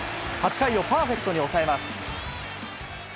８回をパーフェクトに抑えます。